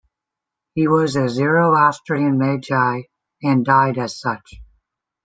He was a Zoroastrian Magi, and died as such.